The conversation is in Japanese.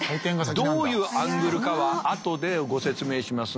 どういうアングルかは後でご説明しますが。